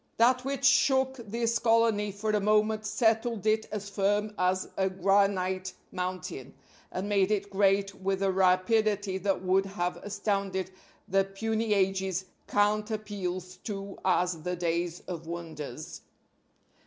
That which shook this colony for a moment settled it as firm as a granite mountain and made it great with a rapidity that would have astounded the puny ages cant appeals to as the days of wonders.